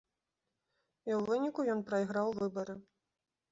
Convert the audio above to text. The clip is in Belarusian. І ў выніку ён прайграў выбары.